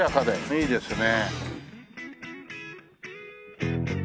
いいですね。